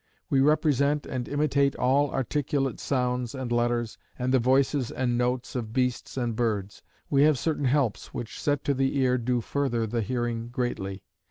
We represent and imitate all articulate sounds and letters, and the voices and notes of beasts and birds. We have certain helps which set to the ear do further the hearing greatly.